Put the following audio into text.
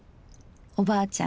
おばあちゃん